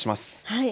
はい。